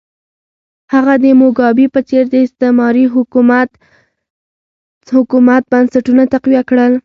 هغه د موګابي په څېر د استعماري حکومت بنسټونه تقویه کړل.